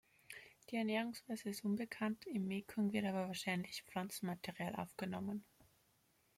Die Ernährungsweise ist unbekannt, im Mekong wird aber wahrscheinlich Pflanzenmaterial aufgenommen.